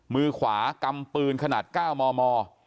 มือขวากำปืนขนาด๙มม